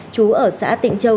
trú ở xã tịnh châu